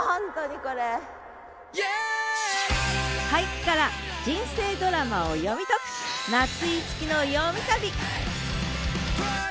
俳句から人生ドラマを読み解く「夏井いつきのよみ旅！」